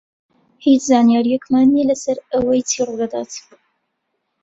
هیچ زانیارییەکمان نییە لەسەر ئەوەی چی ڕوو دەدات.